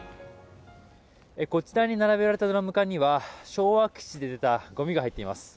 こちらに並べられたドラム缶には昭和基地で出たゴミが入っています。